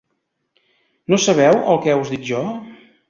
-No sabeu el què us dic jo?